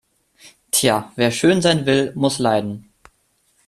Tja, wer schön sein will, muss leiden.